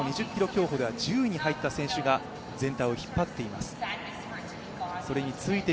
東京オリンピックの２０ｋｍ競歩では１０位に入った選手が全体を引っ張っています。